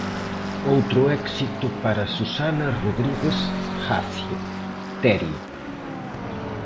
Outro éxito para Susana Rodríguez Gacio, Terio.